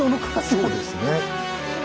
そうですね。